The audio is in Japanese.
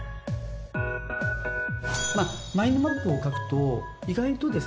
マインドマップを描くと意外とですね